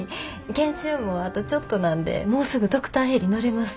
研修もあとちょっとなんでもうすぐドクターヘリ乗れます。